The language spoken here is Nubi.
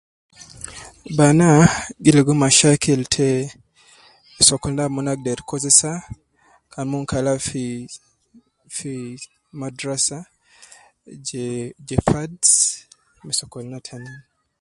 Bana gi ligo mashakil te, sokolna ab mon agder kozesa kan mon kala fi ,fi madrasa je je pads me sokolna tanin